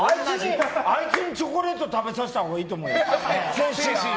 あいつにチョコレート食べさせたほうがいいと思う。